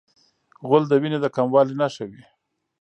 غول د وینې د کموالي نښه وي.